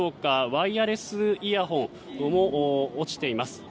ワイヤレスイヤホンも落ちています。